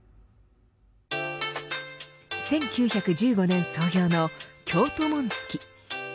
１９１５年創業の京都紋付。